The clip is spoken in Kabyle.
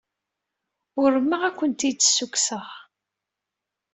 Urmeɣ ad ken-id-ssukkseɣ.